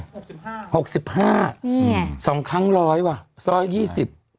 หกสิบห้าหกสิบห้านี่ไงสองครั้งร้อยว่ะร้อยยี่สิบ